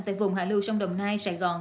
tại vùng hạ lưu sông đồng nai sài gòn